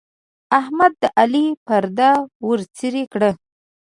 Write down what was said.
احمد د علي پرده ورڅيرې کړه.